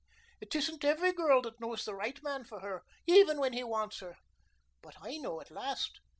It isn't every girl that knows the right man for her even when he wants her. But I know at last.